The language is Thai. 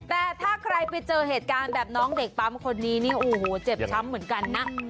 แต่ถ้าใครไปเจอเหตุการณ์แบบน้องเด็กปั๊มคนนี้นี่โอ้โหเจ็บช้ำเหมือนกันนะ